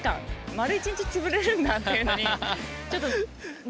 丸１日つぶれるんだっていうのにちょっと。